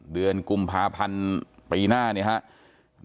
เดือนกุมภาพันธ์ปีหน้าเนี่ยครับ